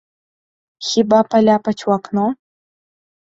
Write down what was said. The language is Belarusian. Хіба паляпаць у акно?